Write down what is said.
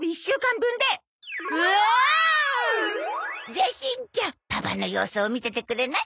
じゃあしんちゃんパパの様子を見ててくれない？